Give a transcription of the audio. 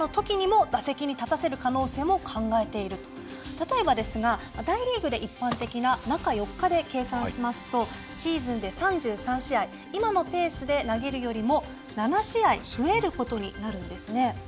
例えばですが大リーグで一般的な中４日で計算しますとシーズンで３３試合今のペースで投げるよりも７試合増える事になるんですね。